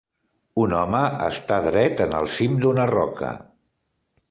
Un home està dret en el cim d'una roca.